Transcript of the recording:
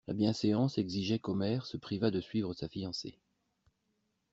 La bienséance exigeait qu'Omer se privât de suivre sa fiancée.